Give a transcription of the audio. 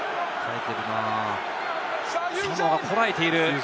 サモアがこらえている。